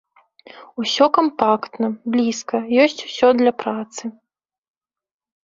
Усё кампактна, блізка, ёсць усё для працы.